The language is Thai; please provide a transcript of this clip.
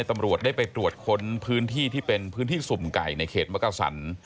ตำรวจได้ไปตรวจค้นพื้นที่ที่เป็นพื้นที่สุ่มไก่ในเขตมกษัน